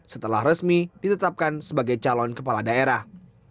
setelah resmi ditetapkan sebagai calon kepala daerah